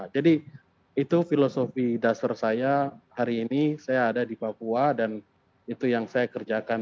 jadi itu filosofi dasar saya hari ini saya ada di papua dan itu yang saya kerjakan